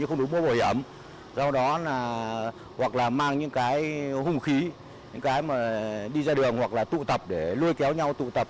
không đủ mũ bảo hiểm do đó là hoặc là mang những cái hung khí những cái mà đi ra đường hoặc là tụ tập để lôi kéo nhau tụ tập